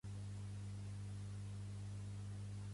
La corol·la el tubular.